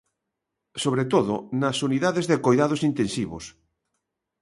Sobre todo, nas Unidades de Coidados Intensivos.